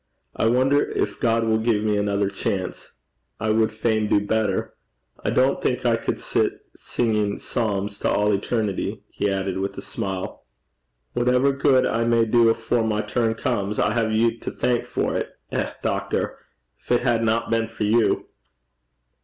I wonder if God will give me another chance. I would fain do better. I don't think I could sit singing psalms to all eternity,' he added with a smile. 'Whatever good I may do afore my turn comes, I hae you to thank for 't. Eh, doctor, gin it hadna been for you!'